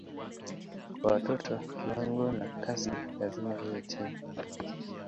Kwa watoto kiwango na kasi lazima iwe chini.